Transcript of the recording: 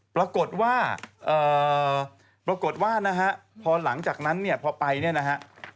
ปรากฏว่านะฮะพอหลังจากนั้นเนี่ยพอไปเนี่ยนะฮะ